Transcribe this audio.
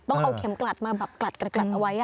ต้องเอาเข็มกลัดมาแบบกลัดเอาไว้